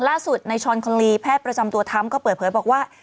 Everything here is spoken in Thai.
ล่าสุดในชอนคอลีแพทย์ประจำตัวทรัมป์ก็เปิดเผยบอกว่า